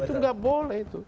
itu gak boleh itu